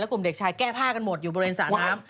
กลุ่มเด็กชายแก้ผ้ากันหมดอยู่บริเวณสระน้ำ